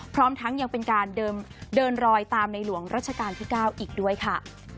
พร้อมทั้งยังเป็นการเดินรอยตามในหลวงรัชกาลที่๙อีกด้วยค่ะ